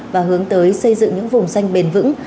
và hướng tới xây dựng những vùng xanh bền vững